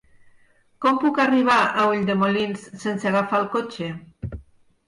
Com puc arribar a Ulldemolins sense agafar el cotxe?